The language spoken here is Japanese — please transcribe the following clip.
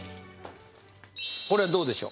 これどうでしょう？